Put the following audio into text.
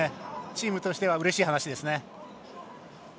チームとしてはうれしい話ですね。